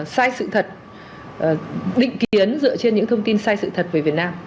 sai sự thật định kiến dựa trên những thông tin sai sự thật về việt nam